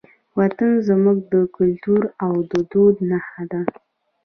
وطن زموږ د کلتور او دود نښه ده.